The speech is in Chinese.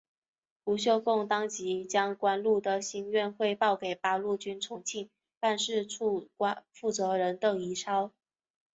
胡绣凤当即将关露的心愿汇报给八路军重庆办事处负责人邓颖超。